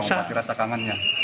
berapa rasa kangennya